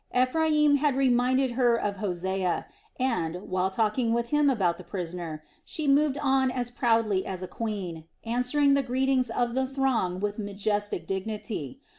Ephraim had reminded her of Hosea and, while talking with him about the prisoner, she moved on as proudly as a queen, answering the greetings of the throng with majestic dignity.